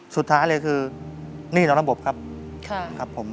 สุดท้ายเลยคือหนี้น้องระบบครับ